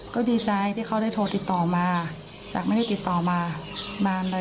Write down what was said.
ก็ดีใจที่เขาได้โทรติดต่อมาจากไม่ได้ติดต่อมานานเลย